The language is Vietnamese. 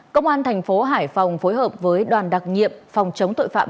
công an thành phố hải phòng phối hợp với đoàn đặc nhiệm phòng chống tội phạm